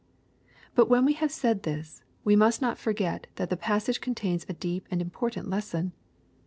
But when we have said this, we must not forget that the passage contains a deep and important lesson.